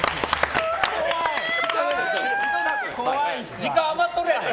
時間余っとるやん！